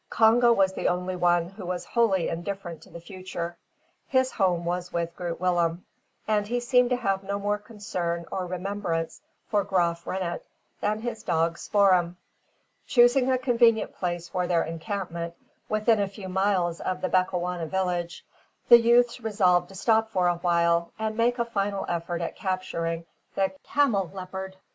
Congo was the only one who was wholly indifferent to the future. His home was with Groot Willem, and he seemed to have no more concern or remembrance for Graaf Reinet than his dog Spoor'em. Choosing a convenient place for their encampment within a few miles of the Bechuana village, the youths resolved to stop for a while, and make a final effort at capturing the camelopards.